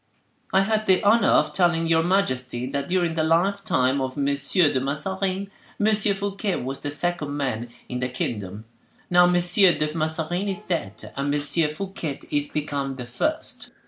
"I had the honor of telling your majesty, that during the lifetime of M. de Mazarin, M. Fouquet was the second man in the kingdom; now M. de Mazarin is dead, M. Fouquet is become the first."